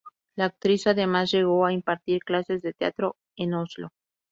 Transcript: La actriz, además, llegó a impartir clases de teatro en Oslo.